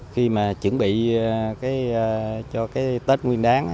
khi mà chuẩn bị cho cái tết nguyên đáng